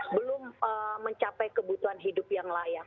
belum mencapai kebutuhan hidup yang layak